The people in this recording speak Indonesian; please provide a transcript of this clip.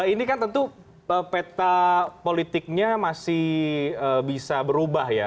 ini kan tentu peta politiknya masih bisa berubah ya